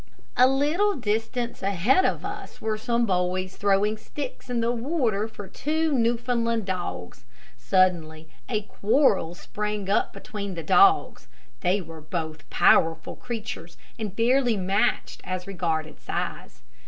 A little distance ahead of us were some boys throwing sticks in the water for two Newfoundland dogs. Suddenly a quarrel sprang up between the dogs. They were both powerful creatures, and fairly matched as regarded size.